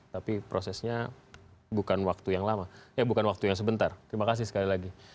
tapi prosesnya bukan waktu yang lama ya bukan waktu yang sebentar terima kasih sekali lagi